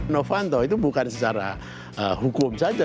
novanto itu bukan secara hukum saja